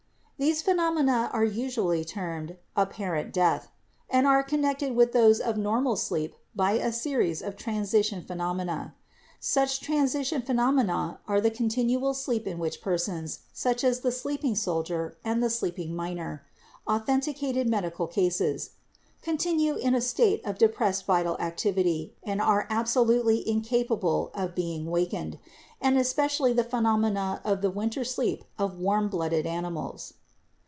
These phenomena are usually termed 'apparent death' PHYSIOLOGICAL IDEA OF LIFE 33 and are connected with those of normal sleep by a series of transition phenomena. Such transition phenomena are the continual sleep in which persons, such as the 'sleeping soldier' and the 'sleeping miner' (authenticated medical cases), continue in a state of depressed vital activity and are absolutely incapable of being awakened, and especially the phenomena of the winter sleep of warm blooded ani mals.